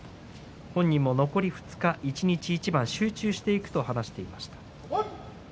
本人も残り２日、一日一番集中していくと話していました。